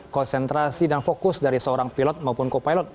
konsentrasi dan fokus dari seorang pilot maupun co pilot